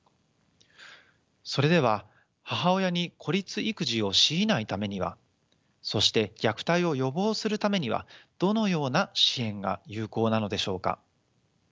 それでは母親に孤立育児を強いないためにはそして虐待を予防するためにはどのような支援が有効なのでしょうか。